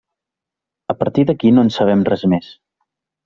A partir d’aquí no en sabem res més.